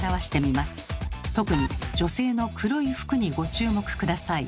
特に女性の黒い服にご注目下さい。